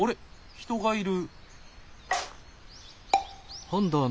人がいる。